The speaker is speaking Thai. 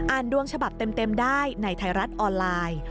ดวงฉบับเต็มได้ในไทยรัฐออนไลน์